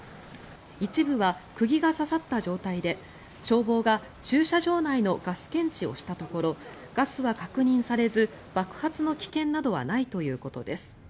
一部は釘が刺さった状態で消防が駐車場内のガス検知をしたところガスは確認されず爆発の危険などはないということです。